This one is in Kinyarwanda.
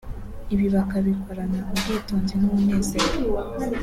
ibi bakabikorana ubwitonzi n’umunezero